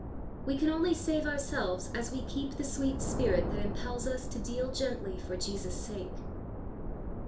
We can only save ourselves as we keep the sweet spirit that impels us to "deal gently" for Jesus' sake.